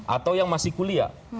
atau yang masih kuliah